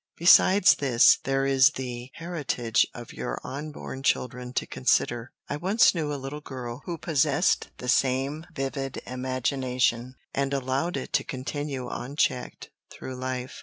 Besides this, there is the heritage of your unborn children to consider. I once knew a little girl who possessed the same vivid imagination, and allowed it to continue unchecked through life.